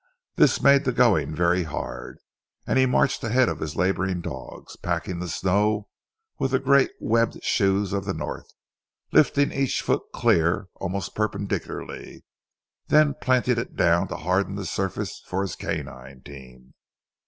This made the going very hard, and he marched ahead of his labouring dogs, packing the snow with the great webbed shoes of the North, lifting each foot clear almost perpendicularly, then planting it down to harden the surface for his canine team.